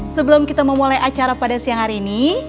sebelum kita memulai acara pada siang hari ini